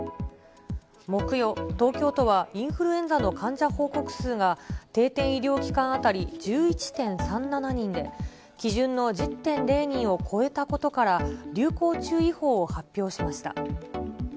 木曜、東京都はインフルエンザの患者報告数が、定点医療機関当たり１１．３７人で、基準の１０．０人を超えたことから、流行注意報を発表しました。